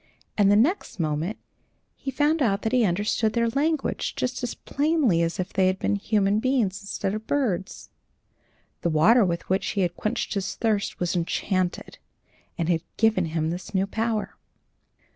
And the next moment he found out that he understood their language just as plainly as if they had been human beings instead of birds. The water with which he had quenched his thirst was enchanted, and had given him this new power.